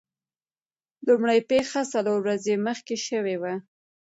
لومړۍ پیښه څلور ورځې مخکې شوې وه.